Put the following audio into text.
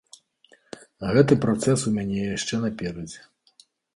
Гэты працэс у мяне яшчэ наперадзе.